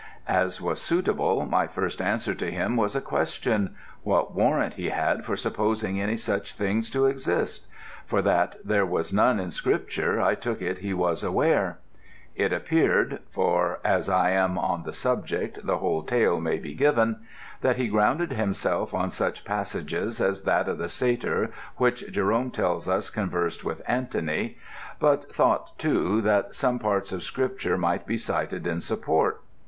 "As was suitable, my first answer to him was a question, What warrant he had for supposing any such beings to exist? for that there was none in Scripture I took it he was aware. It appeared for as I am on the subject, the whole tale may be given that he grounded himself on such passages as that of the satyr which Jerome tells us conversed with Antony; but thought too that some parts of Scripture might be cited in support.